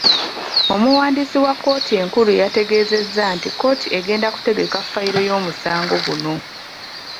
Omuwandiisi wa kkooti enkulu yategeezezza nti kkooti egenda kutegeka fayiro y'omusango guno .